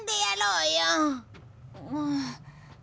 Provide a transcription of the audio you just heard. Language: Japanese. うん。